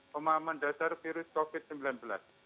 pemahaman dasar virus covid sembilan belas